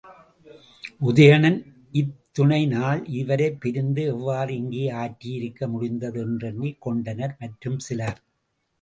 உதயணன் இத்துணை நாள் இவளைப் பிரிந்து எவ்வாறு இங்கே ஆற்றியிருக்க முடிந்தது? என்றெண்ணிக் கொண்டனர் மற்றும் சிலர்.